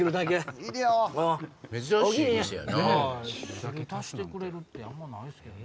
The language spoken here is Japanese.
汁足してくれるってあんまないっすけどね。